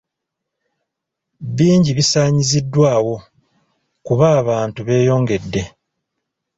Bingi bisaanyiziddwawo kuba abantu beeyongedde.